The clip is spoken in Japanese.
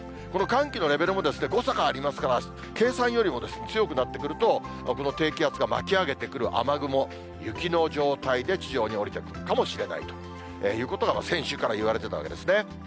この寒気のレベルも誤差がありますから、計算よりも強くなってくると、この低気圧が巻き上げてくる雨雲、雪の状態で地上に下りてくるかもしれないということが、先週から言われてたわけですね。